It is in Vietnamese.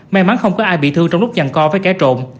may mắn không có ai bị thương trong lúc nhằn co với cái trộn